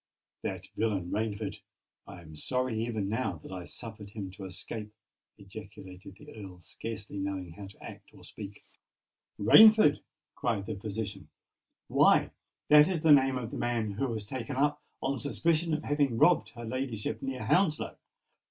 "That villain Rainford! I am sorry even now that I suffered him to escape!" ejaculated the Earl, scarcely knowing how to act or speak. "Rainford!" cried the physician. "Why, that is the name of the man who was taken up on suspicion of having robbed her ladyship near Hounslow!"